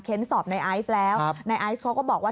เค้นสอบนายไอ้ไซ์แล้วนายไอ้ไซ์เขาก็บอกว่า